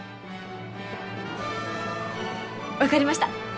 分かりました！